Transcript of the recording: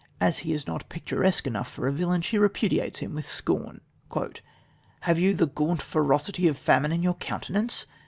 As he is not picturesque enough for a villain, she repudiates him with scorn: "Have you the gaunt ferocity of famine in your countenance?